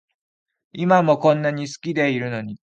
今もこんなに好きでいるのに